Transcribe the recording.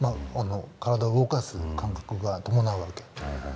体を動かす感覚が伴うわけ。